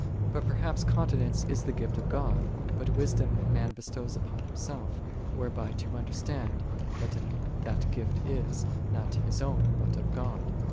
"7 But perhaps continence is the gift of God, but wisdom man bestows upon himself, whereby to under stand, that that gift is, not his own, but of God.